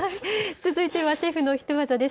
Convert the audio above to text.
続いては、シェフのヒトワザです。